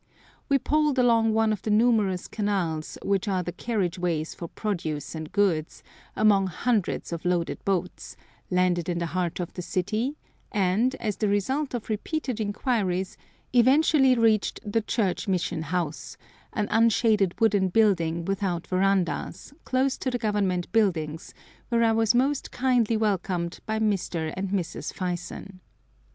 We poled along one of the numerous canals, which are the carriage ways for produce and goods, among hundreds of loaded boats, landed in the heart of the city, and, as the result of repeated inquiries, eventually reached the Church Mission House, an unshaded wooden building without verandahs, close to the Government Buildings, where I was most kindly welcomed by Mr. and Mrs. Fyson.